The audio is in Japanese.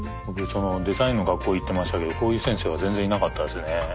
僕デザインの学校行ってましたけどこういう先生は全然いなかったですね。